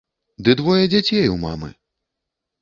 Ды двое дзяцей у мамы!